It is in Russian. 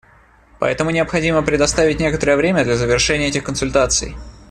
Поэтому необходимо предоставить некоторое время для завершения этих консультаций.